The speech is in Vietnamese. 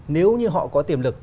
nếu như họ có tiềm lực